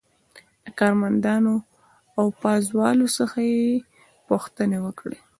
له کارمندانو او پازوالو څخه یې پوښتنې وکړې.